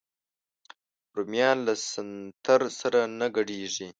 رومیان له سنتر سره نه ګډېږي